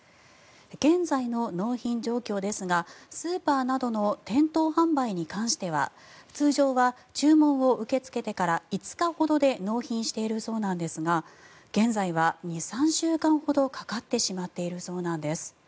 現在の納品状況ですがスーパーなどの店頭販売に関しては通常は注文を受け付けてから５日ほどで納品しているそうなんですが現在は２３週間ほどかかってしまっているそうなんです。